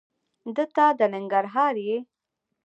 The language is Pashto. دته د ننګرهار یې؟